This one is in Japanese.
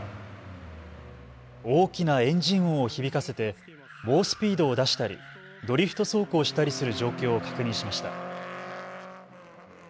大きなエンジン音を響かせて猛スピードを出したりドリフト走行をしたりする状況を確認しました。